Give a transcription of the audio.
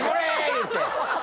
言うて。